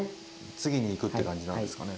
次に行くって感じなんですかね。